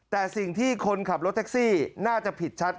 แต่สิ่งที่คนขับรถแท็กซี่น่าจะผิดชัด